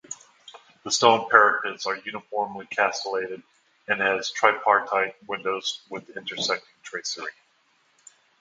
The stone parapets are uniformly castellated and it has tripartite windows with intersecting tracery.